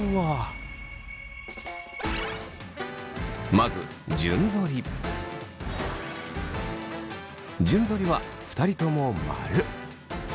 まず順ぞりは２人とも「○」。